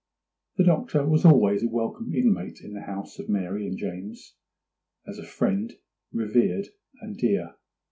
The Doctor was always a welcome inmate in the house of Mary and James, as a friend revered and dear.